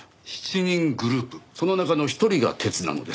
その中の１人が鉄なのです。